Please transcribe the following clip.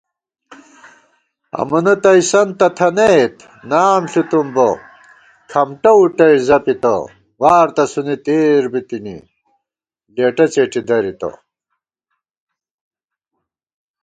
امَنہ تئیسَن تہ تھَنَئیت، نام ݪِتُم بہ کھمٹہ وُٹَئ زَپِتہ * وار تسُونی تېت بِتِنی لېٹہ څېٹی دَرِتہ